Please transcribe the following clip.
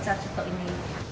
di rumah sakit sarjito ini